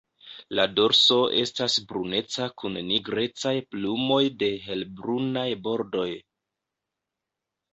La dorso estas bruneca kun nigrecaj plumoj de helbrunaj bordoj.